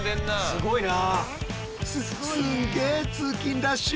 すごいな。